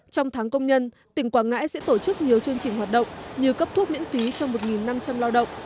trong tháng công nhân tỉnh quảng ngãi sẽ tổ chức nhiều chương trình hoạt động như cấp thuốc miễn phí cho một năm trăm linh lao động